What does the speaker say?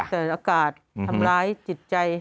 แต่อากาศทำร้ายจิตใจ